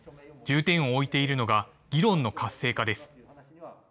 重点を置いているのが議論の活性化です。